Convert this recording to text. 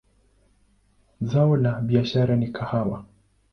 Zao la biashara ni kahawa.